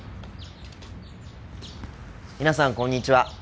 皆さんこんにちは。